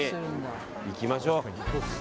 行きましょう。